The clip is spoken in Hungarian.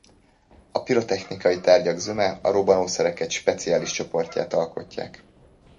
A pirotechnikai tárgyak zöme a robbanószerek egy speciális csoportját alkotják.